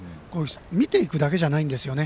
見ていくだけじゃないんですよね。